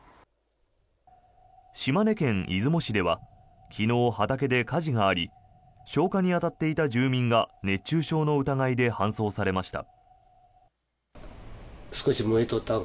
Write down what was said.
島根県出雲市では昨日、畑で火事があり消火に当たっていた住民が熱中症の疑いで搬送されました。